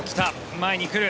前に来る。